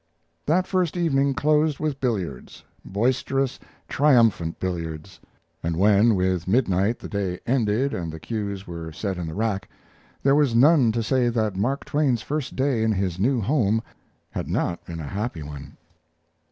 That first evening closed with billiards boisterous, triumphant billiards and when with midnight the day ended and the cues were set in the rack, there was none to say that Mark Twain's first day in his new home had not been a happy one.